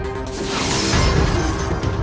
jika putraku dah berubah